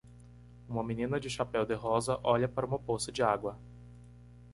Uma menina de chapéu-de-rosa olha para uma poça de água.